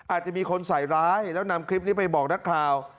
อาจจะมีคนใส่ร้ายแล้วนำคลิปนี้ไปบอกนักข่าว